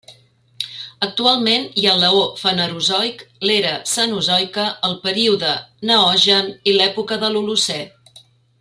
Actualment hi ha l'eó Fanerozoic, l'era Cenozoica, el període Neogen i l'època de l'Holocè.